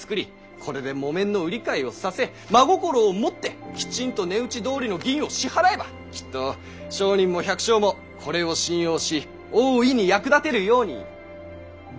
これで木綿の売り買いをさせ真心を持ってきちんと値打ちどおりの銀を支払えばきっと商人も百姓もこれを信用し大いに役立てるように。